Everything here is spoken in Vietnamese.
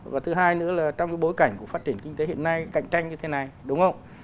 và thứ hai nữa là trong cái bối cảnh của phát triển kinh tế hiện nay cạnh tranh như thế này đúng không